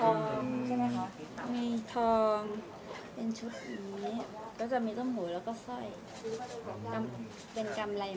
แล้วก็เพชรก็จะมีไส้มีส้มหูแล้วก็มีข้างหลัง